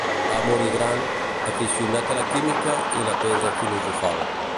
Va morir gran, aficionat a la química i la pedra filosofal.